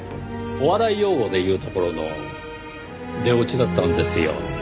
お笑い用語で言うところの出オチだったんですよ。